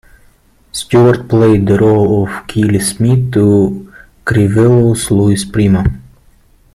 Stewart played the role of Keely Smith to Crivello's Louis Prima.